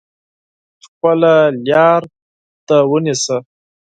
خپله لار دي ونیسه !